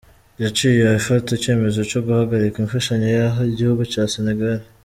Yaciye ifata icemezo co guhagarika infashanyo yaha igihugu ca Senegal.